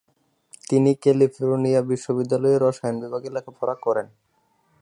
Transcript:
তিনি ক্যালিফোর্নিয়া বিশ্ববিদ্যালয়ে রসায়ন বিভাগে লেখাপড়া করেন।